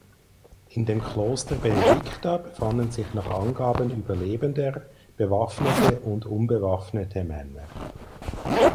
In dem Kloster Benedicta befanden sich nach Angaben Überlebender bewaffnete und unbewaffnete Männer.